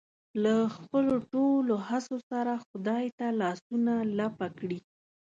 له خپلو ټولو هڅو سره خدای ته لاسونه لپه کړي.